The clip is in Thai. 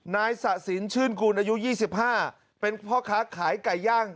นายสะสินชื่นกูลอายุ๒๕เป็นพ่อค้าขายไก่ย่าง